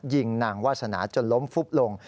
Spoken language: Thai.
ยิงนางวาสนาจนล้มฟุบลง